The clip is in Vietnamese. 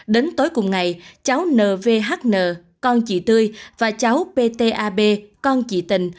đến tối cùng ngày cháu n v h n con chị tươi và cháu p t a b con chị tình